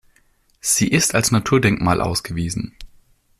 Sie ist als Naturdenkmal ausgewiesen.